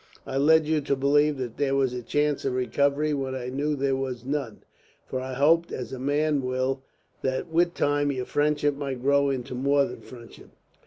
I led you to believe that there was a chance of recovery when I knew there was none. For I hoped, as a man will, that with time your friendship might grow into more than friendship.